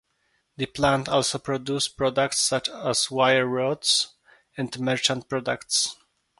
The plant also produces products such as wire rods and merchant products.